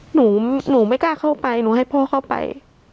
หนูหนูไม่กล้าเข้าไปหนูให้พ่อเข้าไป